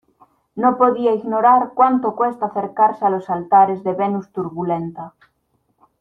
no podía ignorar cuánto cuesta acercarse a los altares de Venus Turbulenta.